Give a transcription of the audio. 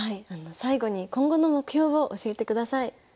最後に今後の目標を教えてください。